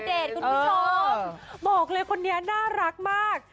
เด็กคนนี้น่ารักมาก